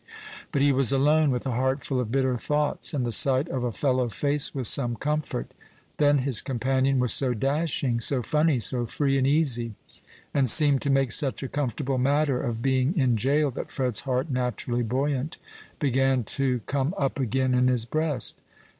But he was alone, with a heart full of bitter thoughts, and the sight of a fellow face was some comfort. Then his companion was so dashing, so funny, so free and easy, and seemed to make such a comfortable matter of being in jail, that Fred's heart, naturally buoyant, began to come up again in his breast.